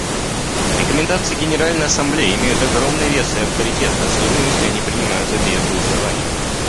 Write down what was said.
Рекомендации Генеральной Ассамблеи имеют огромный вес и авторитет, особенно если они принимаются без голосования.